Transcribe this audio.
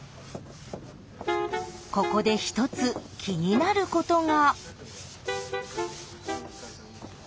ここで１つ気になることが。